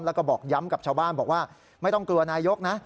แล้วก็บอกย้ำกับชาวบ้านบอกว่าไม่ต้องกลัวนายกนะ